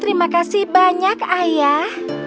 terima kasih banyak ayah